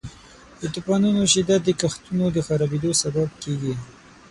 د طوفانونو شدت د کښتونو د خرابیدو سبب کیږي.